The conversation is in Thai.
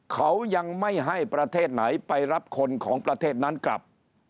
เขายังไม่ให้ประเทศไหนไปรับคนของประเทศนั้นกลับ